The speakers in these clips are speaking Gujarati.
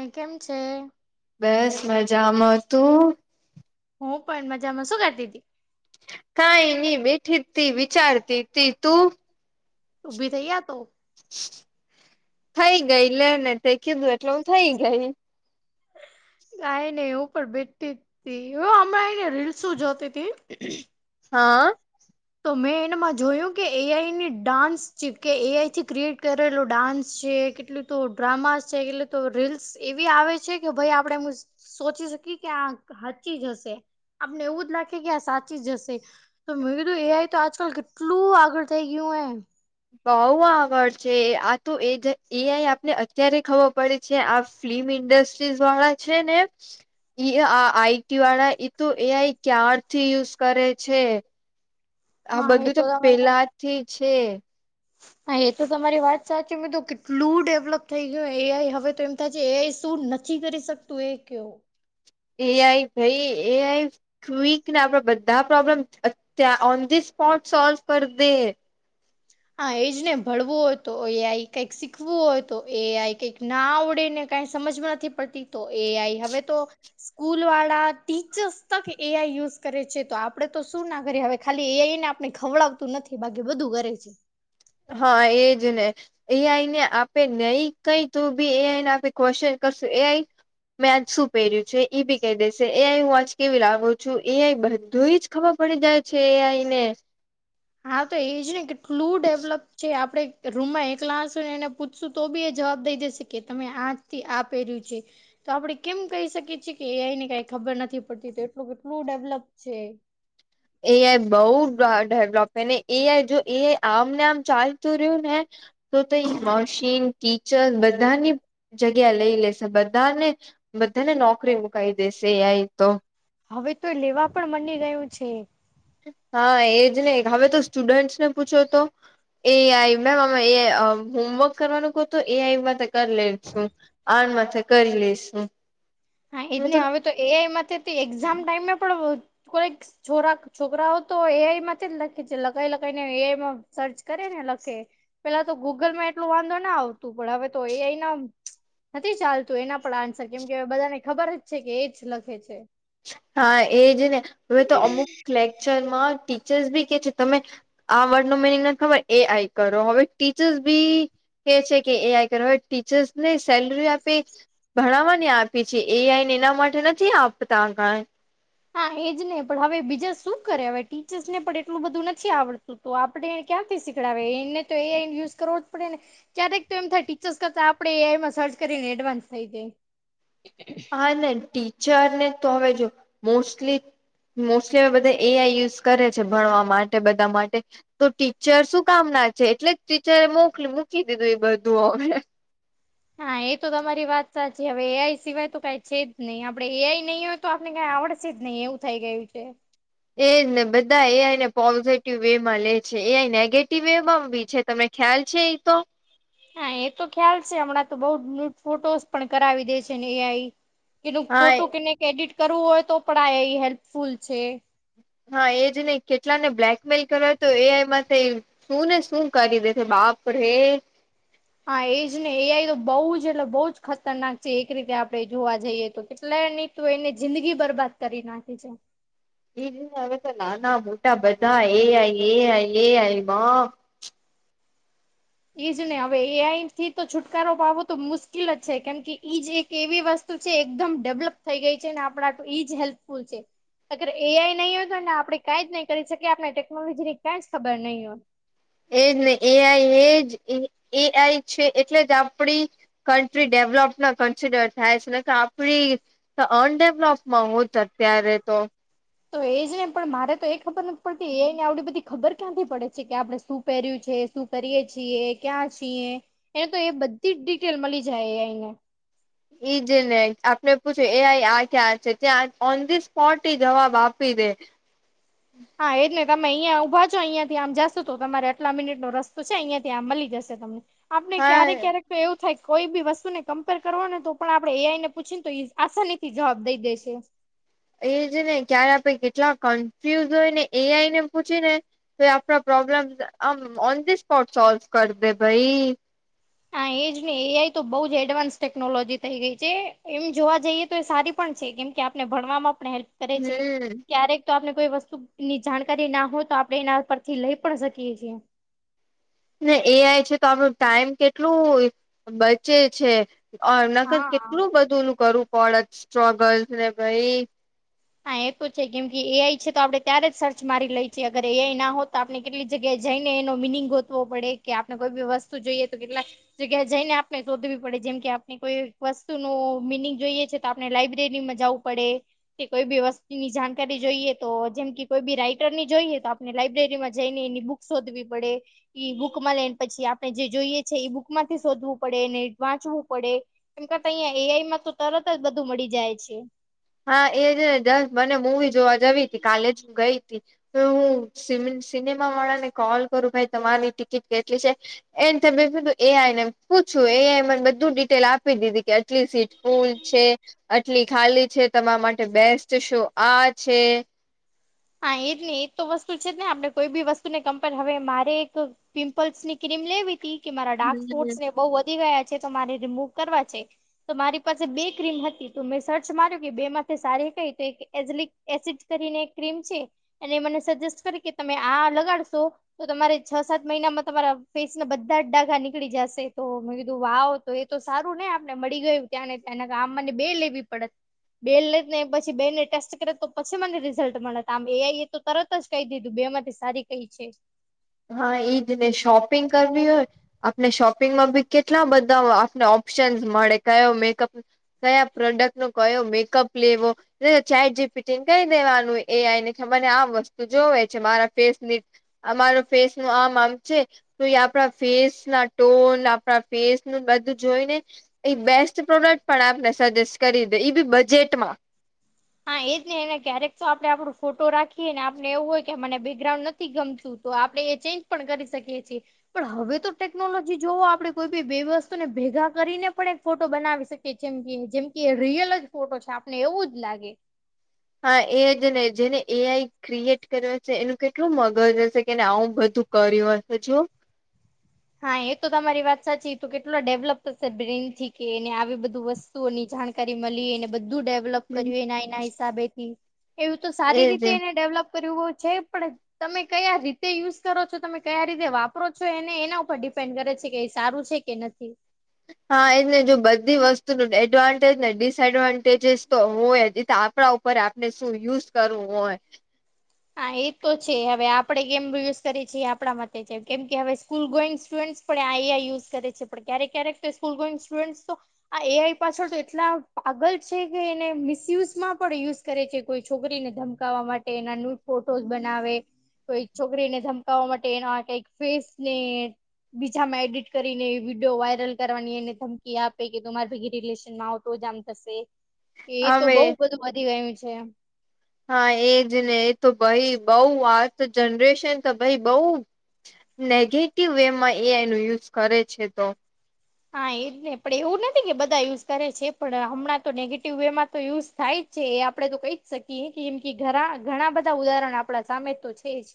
એ કેમ છે. બસ મજા મા પ હું પણ મજામાં શુંખાતી હતી. કઈ નહી બેઠી તી વિચારતી તી તું ઉઊભી થઈ આ તુ થઇ ગઈ લે ને તે કીધું એટલે હું થઇ ગ. આઈ ને એ ઉપર બેઠતી તી હવે હમણાંને રીલસું જોતી તી. હા. તો મેં એનામાં જોયું કે એઆઈની ડાન્સ છે કે એઆઈ થી ક્રિએટ કરેલો ડાન્સ છે. એટલું તો ડ્રામા છે કેટલ તો રીલ્સ એવી આવે છે કે ભાઈ આપડે સોચી શકી કે આ હચીજ હશે. આપને એવુંજ લાગે કે આ સાચી જશે તો મે ું એઆઈ તો આજકાલ કેટલું આગળ થઈ ગયું હે બઉ આગળ છે આ તો એ એ આઈ આપને અત્યારે ખબર પડે જે આ ફિલ્મ ઇન્ડસ્ટ્રીઝ વાળા છે ને આ આઈટી વાળા તો એ આઈ ક્યારથી યુઝ કરે છે. આ હા બધું એ તો તમારે પેલાથી છે. હા એ તો તમારી વાત સાચી મેં તો કેટલું ડેવલપ થઈ ગયું એઆઈ હવે તો એમ થાય છે એઆઈ શું નથી. પછી કરી શક તું એ ક એઆઈ ભાઈ એઆઈ ક્વિક ને આપડા બધા પ્રોબ્લેમ અત ઓન ધી સ્પોટ સોલ્વ કરી દે હા એ જ ને ભણવું હતો એ આઈ કઈક શીખવું હો તો એ આઈ કઈક ના આવડે ને કઈ સમજમાં નથી પડતી તો એ આઈ હવે તો સ્કૂલ વાળા ટીચર્સ તક એઆઈ યુઝ કરે છે તો આપડે તો શું ના કરીએ હવે ખાલી એઆઈને આપને ખવડાવતું નથી બાકી બધું કરે છે. હા એજ ને એ આઈ ને આપે નહી કઈ તું બી એઆઈને આપે ક્વચન કરશું એઆઈ મેંચ શું પહેર્યું છે એ બી કહી દેશે એ આઈ હું વોચ કેવી લાવું છું એ આઈ બધું જ ખબર પડી જાય છે એ આઈને હા તો એજ ને કેટલું ડેવલપ જે આપણે રૂમમાં એકલા હશું ને એને પૂછશું તો બી એ જવાબ દઈ જશે કે તમે આજથી આ પહેર્યું છે. તો આપડે કેમ કહી શકીએ છીએ કે એ અહીને કઈ ખબર નથી પડતી તો એટલું કેટલું ડેવલપ છે. એ આઈ બહ ડેવલોપને એઆઈ જો એ આઈ આમને આમ ચાલતું રહ્યું ને તો તો મશીન ટીચર બધાની જગ્યા લઈ લેશે બધાને બધાને નોકરી મુકાઈ દેશે એય તો હવે તો લેવા પણ મની ગયું છે. હા એજ નહી હવે તો સ્ટુડન્ટસ ને પૂછો તો એ આઈ મેમ અમે એ હોમવર્ક કરવાનું કહ તો એ આઈમાં કરી લે છું. આમાંથે કરી લઈશું. હા એજ હી હવે તો એમાં એક્ઝામ ટાઈમમાં પણ કોક છોરા છોકરાઓ તો એઆઈ માંથી જ લખે છે લખાઈ લખી ને એઆઈમાં સર્ચ કરે ને લખે પેલા તો ગૂગલમાં એટલું વાંધો ના આવતું પણ હવે તો એ અહીના નથી ચાલતું એના પણ આન્સર કેમ કે, બધાને ખબર જ છે કે એ જ લખે છે. હા એજ ને હવે તો અમુક લેક્ચરમાં ટીચર્સ ભી કે છે તમે આ વર્ડ ન મિનિંગ ના ખબર એ આઈ કરો હવે ટીચર્સ બી કે છે કે એ આઈ કરવા ટીચર્સ ને સેલરી આપે ભણવાની આપી છે એઆઈને એના માટે નથી આપતા કાઈ હા એજ નહી પણ હવે બીજા શું કરે હવે ટીચર્સ ને પણ એટલું બધું નથી આવડતું. તો આપડણે એ ક્યાંથી સીખડાવે એને તો એ યુઝ કરવો જ પડે ને? ક્યારેક તો એમ થાય ટીચર્સ કરતા આપડે એમાં સર્ચ કરીને એડવાન્સ થઈ જાય. હા ટીચર ને તો હવે જો મોસ્ટલી મોસ્ટલી હવે બધા એ આઈ યુઝ કરે છે ભણવા માટે બધા માટે તો ટીચર શું કામ ના છે? એટલે જ ટીચરે મોક મૂકી દીધું એ બધું અવે. હા એ તો તમારી વાત સાચી, હવે એઆઈ સિવાય તો કઈ છે જ નહી આપડે એઆઈ નહીં હોય. તો આપને ક્યાંઈ આવડશે જ નહીિ એવું થઈ ગયું છે. એજ ને બધા એ આઈને પોઝિટિવ વે માં લે છે એ આઈ નેગેટિવ વે માં બી છે. તમે ખ્યાલ છે એ તો? હા એ તો ખ્યાલ છે હમણાં તો બહ ન્યૂટ ફોટોસ પણ કરાવી દે છે ને એઆઈ. કે ન હા ફોટો કેનેક એડિટ કરવું હોય તો પણ આ એ હેલ્પફુલ છે. હા એ જ નહી કેટલાને બ્લેકમેલ કર્યો હતો એ આઈમાંથી શું ને શું કરી દે છે? બાપડે હા એ જ ને, એઆઈ તો બહુ જ એટલે બહુ જ ખતરનાક છે, એક રીતે આપણે જોવા જઈએ તો કેટલા ની તો એને જિંદગી બરબાદ કરી નાખી છે. એ હવે તો નાના મોટા બધા એ આ આ એઈજ નને હવે એઈ થી તો છુટકારો પવો તો મુશ્કેલ જ છે. કેમ કે ઈજ એક એવી વસ્તુ એકદમ ડેવલપ થઈ ગઈ છે ને આપણા આટ ઈજ હેલ્પફુલ છે. અગર એઆઈ નહીં હોય તોને આપણે કાંઈ જ નહી કરી શકીએ આપણે ટેકનોલોજી ની કંઈ જ ખબર નહીિ હોય. એજ ને એઆઈ એજ એઆઈ છે એટલે જ આપડી કન્ટ્રી ડેવલોપ ના કન્સિડર થાય છે એટલે કે આપડી તો અનડેવલપમાં હોું જ અત્યારે તો? તો એજ નહી પણ મારે તો એ ખબર નથી પડતી એને આવડી બધી ખબર ક્યાંથી પડે છે કે આપડણે શું પહેર્યું છે શું કરીએ છીએ ક્યાં છીએ? એને તો એ બધી જ ડિટેલ મળી જાય એ એને ઈજ ને આપણે પૂછ્યું એ આ આ ક્યાં છે ત્યાં ઓન ધી સ્પોટ જવાબ આપી દે. હા એજ નને તમે અહિયાં ઉભા છો અહિયાંયાથી આમ જાશો તો તમારે આટલા મિનિટ નો રસ્તો છે અહિયાં થી આમ મળી જશે. ત આપણે હા ક્યારે ક્યારેક તો એવું થાય કોઈ બી વસ્તુ ને કમ્પેર કરવા ને તો પણ આપણેે એઆઈ ને પૂછી ને તો આસાની થી જવાબ દઈ દેશે. એ જ ને ક્યારે આપે કેટલા કન્ફ્યુઝ હોય ને એ આઈ ને પૂછી ને તો આપણા પ્રોબ્લેમ આમ ઓન ધ સ્પોટ સોલ્વ કર દે ભાઈ. હા એજ ને એઆઈ તો બહુ જ એડવાન્સ ટેકનોલોજી થઈ ગઈ છે એમ જોવા જઈએ તો એ સારી પણ છે. કેમ કે ને ભણવામાં પણ હેલ્પ કરે છે હમ ક્યારેક તો આપણે કોઈ વસ્તુ ની જાણકારી ના હોય તો આપણે એના પરથી લઈ પણ શકીએ છીએ. ને એઆઈ છે તો આપણ ટાઈમ કેટલું બચે છે. અ એમના કર હા. કેટલું બધું નું કરવું પડત સ્ટ્રગલ્સ ને ભાઈ. હા એ તો છે કેમ કે એઆઈ છે તો આપણે ત્યારે જ સર્ચ મારી લે છએ અગર એઆઈ ના હો તો આપ આપને કેટલી જગ્યાએ જઈ ને એનો મિનિંગ ગોતવો પડે કે આપણે કોઈ બી વસ્તુ જોઈએ તો કેટલા જોગ્યા જઈને આપને શોધવી પડે જેમ કે આપણે કોઈ વસ્તુ ન મિનિંગ જોઈએ છે. તો આપણે લાઈબ્રેરીમાં જવું પડે. કોઈ બી વસ્તુની જાણકારી જોઈએ તો જેમ કે કોઈ બી રાઈટરની જોઈએ તો આપણે લાયબ્રેરીમાં જઈને એની બુક. સુધવી પડે. બુકમાં લેને પછી, આપણે જે જોઈએ છે એ બુક માંથી શોધવું પડે, ને વાંચવું પડે. એમ કરતા અહિયાં એઆઈ માં તો તરત જ બધું મળી જાય છે. હા એ છે ને દસ મને મુૂવી જોવા જવી હતી કાલે જ હું ગઈ હતી. હું સિનેમા વાળા ને કોલ કરું ભાઈ તમારી ટિકિટ કેટલી છે? એને તમે બધું એ આઈ ને પૂછું એઆઈ મને બધું ડિટેલ આપી દીધી કે ટલી સીટ ફુલ છે, આટલી ખાલી છે. તમારા માટે બેસ્ટ શો આ છે. હા એજ નહી એજ તો વસ્તુ છે જ ને આપણે કોઈ બી વસ્તુ ને કમ્પે હવે મારે એક પિમ્પલ્સ ની ક્રીમ લેવી હતી કે મારા ડાર્ક સ્પોટ હમ બઉુ વધી ગયા છે તો મારે રિમૂવ કરવા છે. તો મારી પાસે બે ક્રીમ હતી તો, મેં સર્ચ માર્યો કે બે થે સારી કઈ તો એક એઝલિક એસિડ કરીને એક ક્રીમ છે એને મને સજેસ્ટ કરી કે તમે આ લગાડશો. તો તમારે છ સાત મહિનામાં તમારા ફેસ ના બધા જ ડાઘા નીકળી જશે. તો મેં કીધું વાવ તો એ તો સારું ને આપણે મળી ગયું ત્યાં ને ત્યાં આ મને બે લેવી પડત. બેન લે ને પછી બે ને ટેસ્ટ કરે તો પછી મને રીઝ રિઝલ્ટ મળે હતા, આમ એઆઈ એ તો તરત જ કહી દીધું બે માંથી સારી કઈ છે હા એઈ જ ને શોપિંગ કરવી હોય. આપને શોપિંગમાં બી કેટલા બધા આપને ઓપ્શન્સ મળે કયો મેકઅપ કયા પ્રોડક્ટ નો કયો મેકઅપ લેવો? ચેટ જીપીટી કરી દેવાનું એ આઈ ને કે મારે આ વસ્તુ જોવે છે મારા ફેસ ની અમારો ફેસ નું આમ આમ છે તો એ આપણા ફેસ ના ટોન આપણા ફેસ નું બધું જોઈ ને એ બેસ્ટ પ્રોડક્ટ પણ આપને સજેસ્ટ કરી દે બી બજેટમાં. હા એજ જ હી એને ક્યારેક તો આપણે આપડું ફોટો રાખીએ ને આપને એવું હોય કે મને બેકગ્રાઉન્ડ નથી. થી ગમશું તો આપડણે એ ચેન્જ પણ કરી શકીએ છીએ. પણ હવે તો ટેકનોલોજી જોવ આપણે કોઈ બી બે વસ્તુને ભેગા કરીને પણ એક ફોટો બનાવી શકીએ. કે જેમ કે જેમ કે રિયલ જ ફોટો છે આપને એવું જ લાગે. હા એ જ ને જેને એ આઈ ક્રિએટ કર્યો છે એનું કેટલું મગજ હશે કેને આવું બધું કર્યું હશે જો.? હા એ તો તમારી વાત સાચી, તો કેટલો ડેવલપ થશે બ્રેન થી કે એને આવી બધું વસ્તુ ની જાણકારી મળી અનેને બધું ડે હમ કર એના એના હિસાબે થી એવું તો સારી એજ રીતે એજ એને ડેવલપ છે પણ તમે કયા રીતે યુઝ કરો છો તમે કયા રીતે વાપરો છો એને એના ઉપર. ડિપેન્ડ કરે છે કે સારું છે કે નથી. હા એને જો બધી વસ્તુ ન એડવાન્ટેજ ને ડિસએડવાન્ટેજસ તો હોય કપડા ઉપર આપણે શું યુઝ કરવું હોય. હા એ તો છે હવે આપણેે કેમ યુઝ કરીએ છીએ એ આપણા મતે છે, કેમ કે હવે સ્કૂલ ગોઈંગ સ્ટુડન્ટ પણ આ આ યુઝ કરે છે પણ ક્યારેક ક્યારેક તો સ્કૂલ ગઈ સ્ટુડન્ટ્સ તો આ એ આઈ પાછળ તો એટલા પાગલ છે કે એને મિસયુઝ માં પણ યુઝ કરે છે. કોઈ છોકરીને ધમકાવવા માટે એના ન ફોટોઝ બનાવે કોઈ છોકરીને ધમકાવવા માટે એનો કઈ ફેસને બીજામાં એડિટ કરીને એ વિડીયો વાયરલ કરવાની એને ધમકી આપે કે મારી ભગી રિલેશન માં આવ તો જ આમ થશે કે એ તો હવે બહુ બધું વધી ગયું છે. હા એજ ને એ તો ભાઈ બઉ આ તો જનરેશન તો ભાઈ બઉ નેગેટિવ વે માં એ આઈ ન યુઝ કરે છે તો હા એજ ને પણ એવું નથી કે બધા યુઝ કરે છે પણ હમણાં તો નેગેટિવ વે માં તો યુઝ થાય જ છે એ આપડે તો કહી જ શકીએ કેમ કે ઘણા ઘણા બધા ઉદાહરણ આપણા સામે તો છે જ.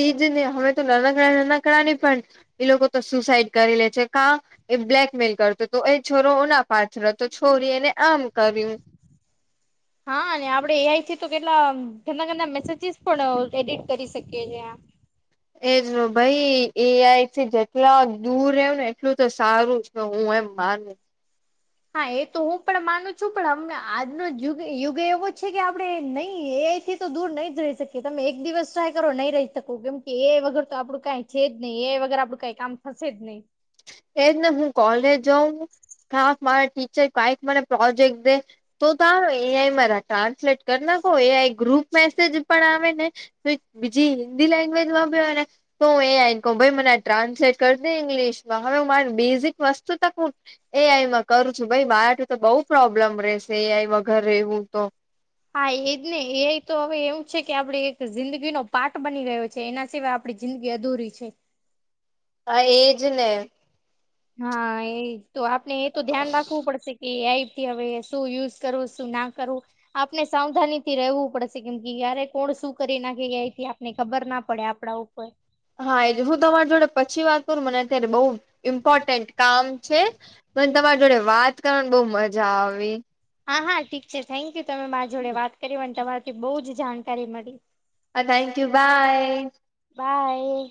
એજ ને અમે તો નાનાકડા નાના કડા નહી પણ એ લોકો તો સુસાઈડ કરી લે છે કા એ બ્લેકમેલ કરતો તો એ છોરોના પાથ હતો છોરી એને આમ કર્યું. હા અને આપડે એઆઈ થી તો કેટલા ઘણા ઘના મેસેજીસ પણ એડિટ કરી શકીએ છીએ. એજ ભાઈ એ આઈથી જેટલા દૂર રહ્યો ને એટલું તો સારું હું એમ માનુ. હા એ તો હું પણ માનું છું પણમ આજનોગ યુગ એવો છે કે આપડે નહી એ આઈ થી તો દૂર નહી જ રહી શકી તમે એક દિવસ ટ્રાય કરો નહી રહી શકો કેમ કે એ વગર તો આપડું કઈ છે જ નહીં એ વગર આપડું કઈ કામ થશે જ નહી. એજ ને હું કોલેજ જાઉં મારા ટીચર કઈક મને પ્રોજેક્ટ દે તો તો એઆઈ મારા ટ્રાન્સલેટ કરી નાખો એઆઈ ગ્રુપ મેસેજ પણ આવે ને તો બીજી હિન્દી લેંગ્વેજ માં ભને તો હું એ આને કહ ભાઈ મને આ ટ્રાસલેટ કર દ ઇંગ્લિશમાં હવે હ મારી બેઝિક વસ્તુ તક હ એ આઈમાં કરું છું ભાઈ બારઠું તો બહુ પ્રોબ્લેમ રહેશે એ આઈમાં ઘરે રહેવું તો. હા એજ ને એ તો હવે એવું છે કે આપડે એક જિંદગીનોો પાઠ બની રહ્યો છે એના સિવાય આપ આપણી જિંદગી અધૂરી છે. આ એજ ને! હા એ તો આપણે એ તો ધ્યાન રાખવું પડશે. એઈથી હવે શું યુઝ કરવું? શું ના કરવું. આપણે સાવધાની થી રેવું પડશે કેમ કે યારે કોણ શું કરી નાખે એથી ને ખબર ના પડે આપડા ઉપર હા એ હું તમારી જોડે પછી વાત કરું મને અત્યારે બહ ઇમ્પોર્ટન્ટ કામ છે. મ તમારી જોડે વાત કરવાની બહુ મજા આવી. હા હા ઠીક છે થેન્ક યુ તમે મારા જોડે વાત કરી અને તમારાથી બહુ જ જાણકારી મળી. હ થેન્ક યુ બાય! બાય